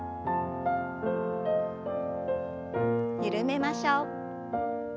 緩めましょう。